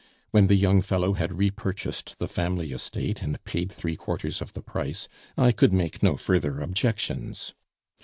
When the young fellow had repurchased the family estate and paid three quarters of the price, I could make no further objections.